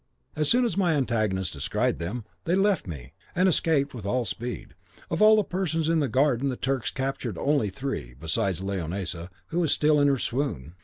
As soon as my antagonists descried them they left me, and escaped with all speed. Of all the persons in the garden the Turks captured only three, besides Leonisa, who was still in her swoon.